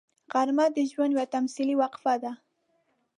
غرمه د ژوند یوه تمثیلي وقفه ده